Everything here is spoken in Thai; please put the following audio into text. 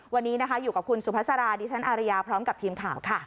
วันนี้นะคะอยู่กับคุณสุภาษาดิฉันอารยาพร้อมกับทีมข่าวค่ะ